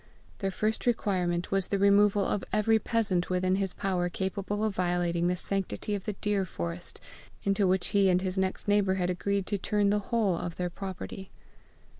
Their first requirement was the removal of every peasant within his power capable of violating the sanctity of the deer forest into which he and his next neighbour had agreed to turn the whole of their property.